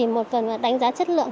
một phần là đánh giá chất lượng